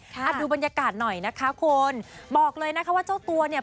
อ่ะดูบรรยากาศหน่อยนะคะคุณบอกเลยนะคะว่าเจ้าตัวเนี่ย